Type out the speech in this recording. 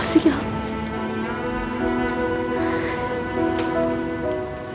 dia sudah berjaya untuk meningkatkan beliau